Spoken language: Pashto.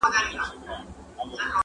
څوک له ښاره څوک راغلي وه له کلي٫